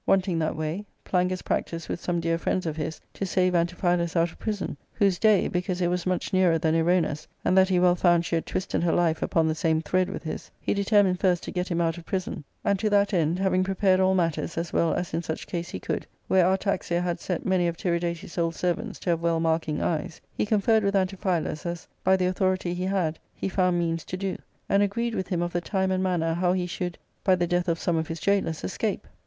Wanting that way, Plangus practised with some dear friends of his to save Antiphilus out of prison, y whose day, because it was much neareV than Erona's, and that he well found she had twisted her life upon the same thread with his, he determined first to get him out of prison ; and to that end, having prepared all matters as well as in such case he could, where Artaxia had set many of Tiridates' old servants to have well marking eyes, he conferred with Antiphilus, as, by the authority he had, he found means to do, and agreed with him of the time and manner how he should, by the death of some of his jailors, escape.